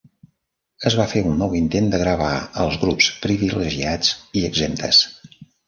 Es va fer un nou intent de gravar els grups privilegiats i exemptes.